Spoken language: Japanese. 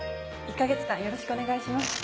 １か月間よろしくお願いします。